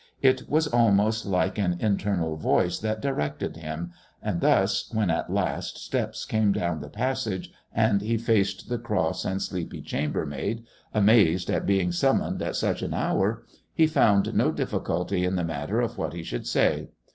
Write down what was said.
It was almost like an internal voice that directed him ... and thus, when at last steps came down the passage and he faced the cross and sleepy chambermaid, amazed at being summoned at such an hour, he found no difficulty in the matter of what he should say.